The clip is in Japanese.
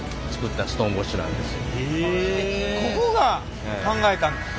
ここが考えたんですか？